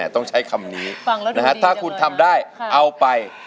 ต้องใช้คำนี้ถ้าคุณทำได้เอาไป